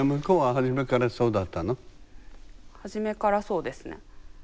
初めからそうですね。